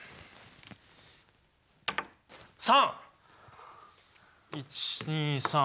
３！１２３。